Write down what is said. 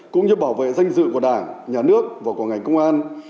cũng như bảo vệ danh dự của đảng nhà nước và của ngành công an